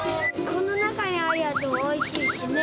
この中にあるやつもおいしいしね。